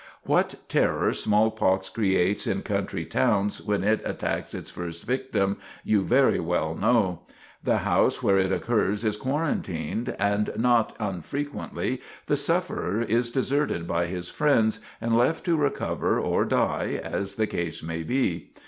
What terror smallpox creates in country towns when it attacks its first victim, you very well know. The house where it occurs is quarantined, and not unfrequently the sufferer is deserted by his friends, and left to recover or die, as the case may be.